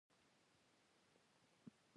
هر څوک حق لري چې زده کړه وکړي په پښتو ژبه.